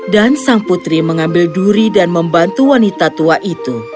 dan sang putri mengambil duri dan membantu wanita tua itu